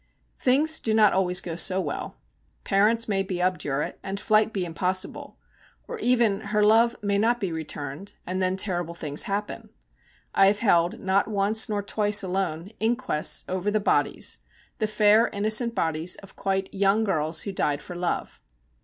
Things do not always go so well. Parents may be obdurate, and flight be impossible; or even her love may not be returned, and then terrible things happen. I have held, not once nor twice alone, inquests over the bodies, the fair, innocent bodies, of quite young girls who died for love.